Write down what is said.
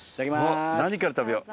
何から食べよう。